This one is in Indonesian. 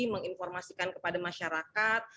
menginformasikan kepada masyarakat